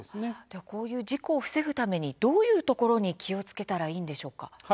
こういう事故を防ぐためにどういうところに気をつけたらいいんでしょうか。